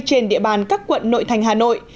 trên địa bàn các quận nội thành hà nội